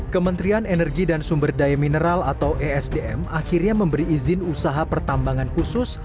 kementerian energi dan sumber daya mineral atau esdm akhirnya memberi izin usaha pertambangan khusus